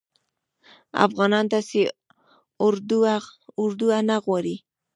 افغانان داسي اردوه نه غواړي